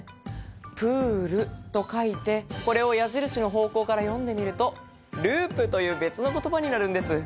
プールと書いて、これを矢印の方向から読んでみると、ループになるんです。